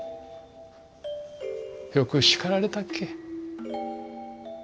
よく叱られたっけ。